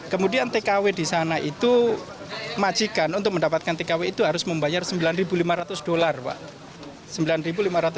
kemudian tkw di sana itu majikan untuk mendapatkan tkw itu harus membayar sembilan lima ratus dolar pak